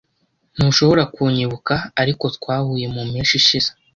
Ntushobora kunyibuka, ariko twahuye mu mpeshyi ishize.